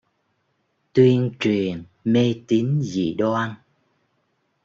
tuyên truyền mê tín dị đoan